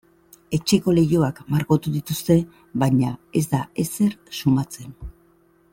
Etxeko leihoak margotu dituzte baina ez da ezer sumatzen.